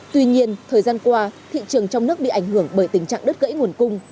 tuy nhiên thời gian qua thị trường trong nước bị ảnh hưởng bởi tình trạng đứt gãy nguồn cung